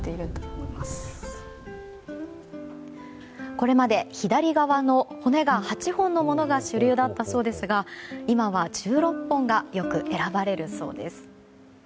これまで左側の、骨が８本のものが主流だったそうですが今は１６本がよく選ばれるそうです。